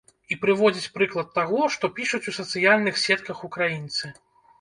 І прыводзіць прыклад таго, што пішуць у сацыяльных сетках украінцы.